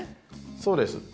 そうです。